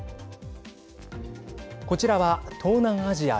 こちらは東南アジア